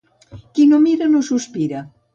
Qui no mira, no sospira.